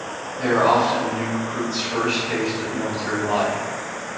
They are often a new recruit's first taste of military life.